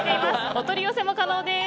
お取り寄せも可能です。